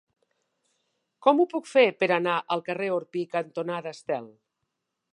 Com ho puc fer per anar al carrer Orpí cantonada Estel?